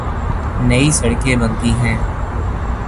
نئی سڑکیں بنتی ہیں۔